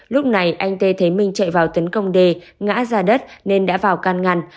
lúc này anh t thấy minh chạy vào tấn công d ngã ra đất nên đã vào can ngăn